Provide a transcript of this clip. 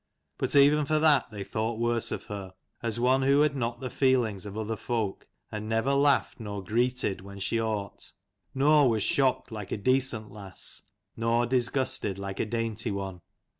But even for that they thought worse of her, as one who had not the feelings of other folk, and never laughed nor greeted when she ought, nor was shocked like a decent lass, nor disgusted like a dainty one.